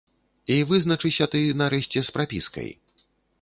І вызначыся ты нарэшце з прапіскай.